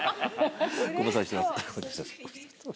ご無沙汰してます。